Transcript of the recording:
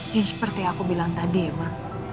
yang seperti aku bilang tadi emang